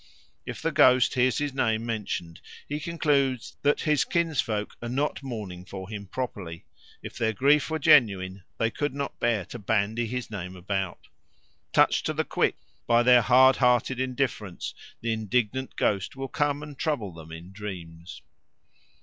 If the ghost hears his name mentioned he concludes that his kinsfolk are not mourning for him properly; if their grief were genuine they could not bear to bandy his name about. Touched to the quick by their hard hearted indifference the indignant ghost will come and trouble them in dreams.